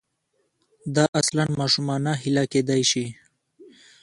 دا اصلاً ماشومانه هیله کېدای شي.